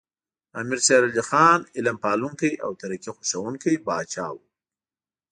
امیر شیر علی خان علم پالونکی او ترقي خوښوونکی پاچا و.